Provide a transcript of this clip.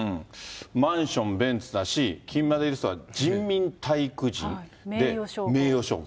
マンション、ベンツだし、金メダリストは人民体育人、名誉称号。